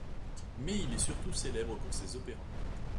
Mais il est surtout célèbre pour ses opéras.